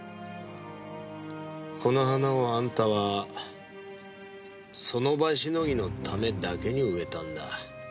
この花をあんたはその場しのぎのためだけに植えたんだ。